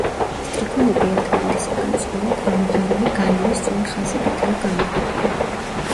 სტრიქონები ერთმანეთისაგან წვრილად ამოღარული განივი სწორი ხაზებითაა გამოყოფილი.